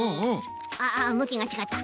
ああっむきがちがった。